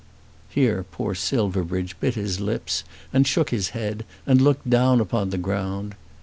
Here poor Silverbridge bit his lips and shook his head, and looked down upon the ground.